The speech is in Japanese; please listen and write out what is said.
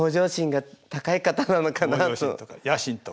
向上心とか野心とか。